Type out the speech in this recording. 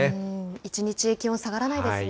一日、気温下がらないですね。